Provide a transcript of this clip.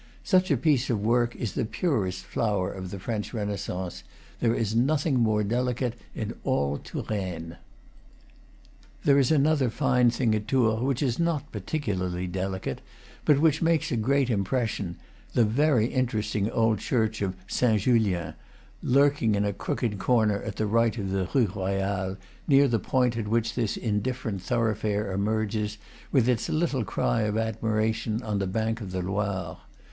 Such a piece of work is the purest flower of the French Renaissance; there is nothing more delicate in all Touraine. There is another fine thing at Tours which is not particularly delicate, but which makes a great impres sion, the very interesting old church of Saint Julian, lurking in a crooked corner at the right of the Rue Royale, near the point at which this indifferent thorough fare emerges, with its little cry of admiration, on the bank of the Loire.